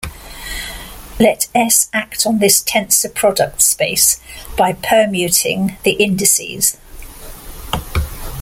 Let "S" act on this tensor product space by permuting the indices.